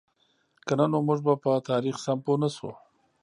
که نه نو موږ به په تاریخ سم پوهـ نهشو.